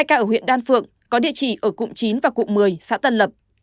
hai ca ở huyện đan phượng có địa chỉ ở cụm chín và cụm một mươi xã tân lập